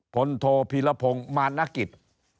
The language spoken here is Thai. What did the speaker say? ผลโธพีรภงมานักศิษย์